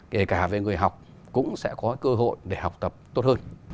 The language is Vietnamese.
kể cả về người học cũng sẽ có cơ hội để học tập tốt hơn